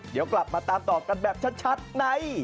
เดี๋ยวกลับมาตามต่อกันแบบชัดใน